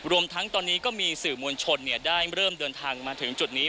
รวมทั้งตอนนี้ก็มีสื่อมวลชนได้เริ่มเดินทางมาถึงจุดนี้